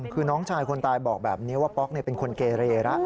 คือน้องชายคนตายบอกแบบนี้ว่าปล็อกนี่เป็นคนเกรราะ